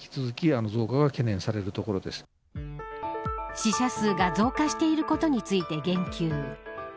死者数が増加していることについて言及。